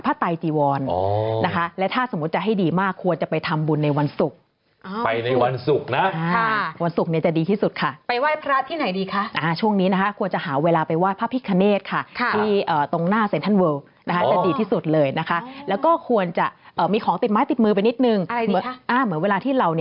พอแล้วไม่ใช่อย่างนั้นใช่ค่ะ